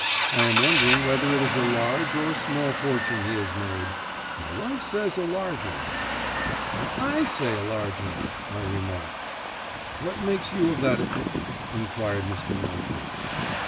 I am wondering whether it is a large or a small fortune he has made. My wife says a large one." "And I say a large one," I remarked. "What makes you of that opinion?" inquired Mr. Melladew.